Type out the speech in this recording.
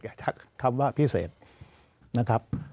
จากคำว่าพิเศษนะครับ